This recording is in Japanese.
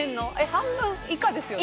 半分以下ですよね